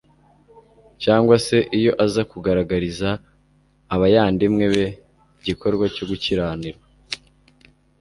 cyangwa se iyo aza kugaragariza abayandimwe be igikorwa cyo gukiranirwa.